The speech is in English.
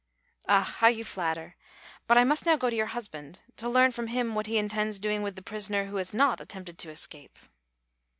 "Ah, how you flatter! But I must now go to your husband to learn from him what he intends doing with the prisoner who has not attempted to escape."